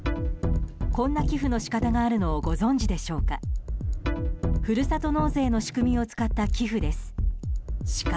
こんな寄付の仕方があるのをご存じでしょうか。